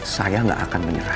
saya nggak akan menyerah